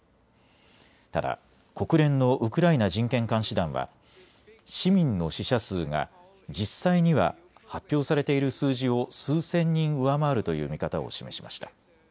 ただ、国連のウクライナ人権監視団は市民の死者数が実際には発表されている数字を数千人上回るという見方を示しました。